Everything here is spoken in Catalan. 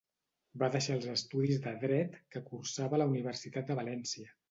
Va deixar els estudis de dret que cursava a la Universitat de València.